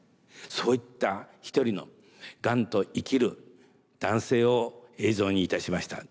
そういった一人のがんと生きる男性を映像にいたしました。